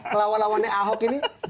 kelawan lawannya ahok ini